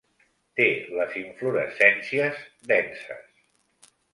Té les inflorescències denses.